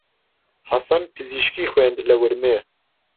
حەسەن پزیشکی خوێند لە ورمێ.